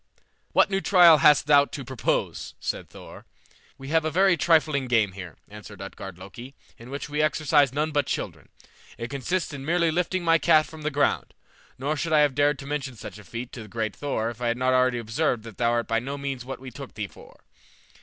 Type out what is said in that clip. "What new trial hast thou to propose?" said Thor. "We have a very trifling game here," answered Utgard Loki, "in which we exercise none but children. It consists in merely lifting my cat from the ground; nor should I have dared to mention such a feat to the great Thor if I had not already observed that thou art by no means what we took thee for."